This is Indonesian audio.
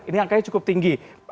ini angkanya cukup tinggi